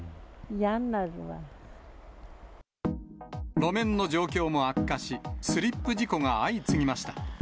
路面の状況も悪化し、スリップ事故が相次ぎました。